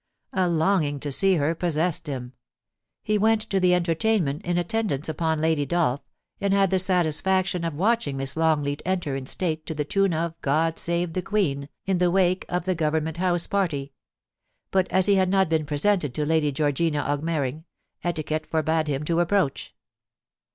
A longing to see her possessed him. He went to the entertainment in attendance upon Lady Dolph, and had the satisfaction of watching Miss Longleat enter in state to the tune of * God save the Queen,' in the wake of the Govern ment House party ; but as he had not been presented to 226 POLICY AND PASSION. Lady Georgina Augmering, etiquette forbade him to ap proach.